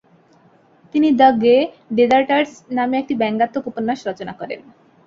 তিনি the gay deserters নামে একটি ব্যঙ্গাত্মক উপন্যাস রচনা করেন।